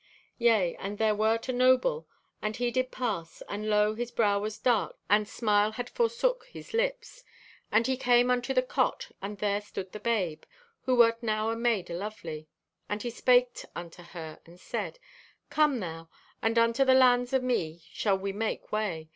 "Yea, and there wert a noble, and he did pass, and lo, his brow was darked, and smile had forsook his lips. And he came unto the cot and there stood the babe, who wert now a maid o' lovely. And he spaked unto her and said: "'Come thou, and unto the lands of me shall we make way.